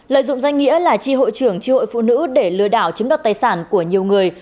lợi dụng danh nghĩa là chi hội trưởng chi hội phụ nữ để lừa đảo chiếm đọc tài sản của nhiều người